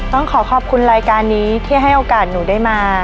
ต้องขอขอบคุณรายการนี้ที่ให้โอกาสหนูได้มา